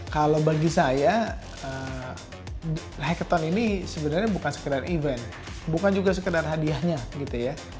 kalau bagi saya hacketon ini sebenarnya bukan sekedar event bukan juga sekedar hadiahnya gitu ya